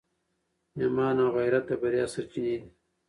ایمان او غیرت د بریا سرچینې دي.